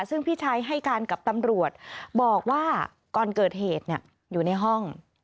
ซึ่งพี่ชายให้การกับตำรวจบอกว่าก่อนเกิดเหตุอยู่ในห้อง